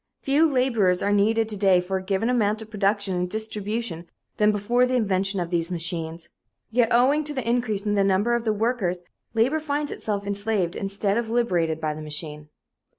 Fewer laborers are needed to day for a given amount of production and distribution than before the invention of these machines. Yet, owing to the increase in the number of the workers, labor finds itself enslaved instead of liberated by the machine.